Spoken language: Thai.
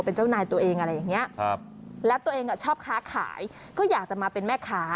เป็นเจ้านายตัวเองอะไรอย่างเงี้ยครับและตัวเองชอบค้าขายก็อยากจะมาเป็นแม่ค้า